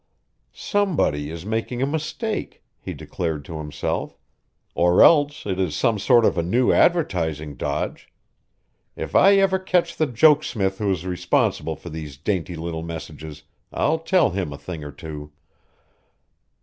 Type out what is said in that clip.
"Somebody is making a mistake," he declared to himself, "or else it is some sort of a new advertising dodge. If I ever catch the jokesmith who is responsible for these dainty little messages, I'll tell him a thing or two."